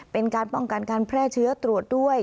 เป็นการป้องกันการแพร่เชื้อตรวจด้วย